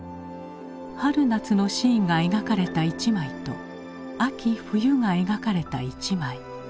春・夏のシーンが描かれた１枚と秋・冬が描かれた１枚。